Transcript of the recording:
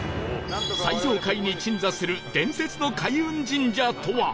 最上階に鎮座する伝説の開運神社とは？